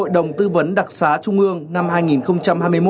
đồng tư vấn đặc giá trung ương năm hai nghìn hai mươi một